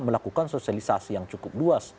melakukan sosialisasi yang cukup luas